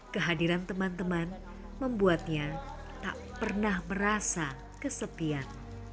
kehadiran teman teman membuatnya tak pernah merasa kesepian